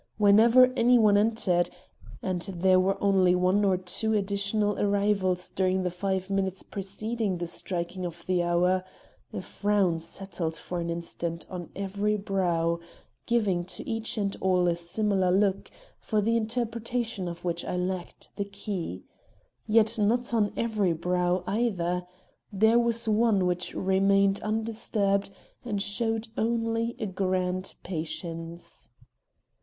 Whenever any one entered, and there were one or two additional arrivals during the five minutes preceding the striking of the hour, a frown settled for an instant on every brow, giving to each and all a similar look, for the interpretation of which I lacked the key. Yet not on every brow either. There was one which remained undisturbed and showed only a grand patience.